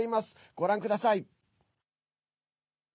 ご覧ください。